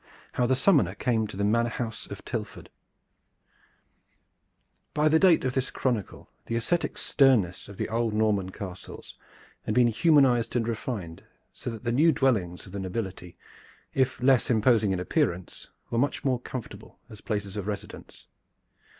HOW THE SUMMONER CAME TO THE MANOR HOUSE OF TILFORD By the date of this chronicle the ascetic sternness of the old Norman castles had been humanized and refined so that the new dwellings of the nobility, if less imposing in appearance, were much more comfortable as places of residence.